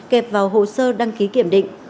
kẹp vào hồ sơ đăng ký kiểm định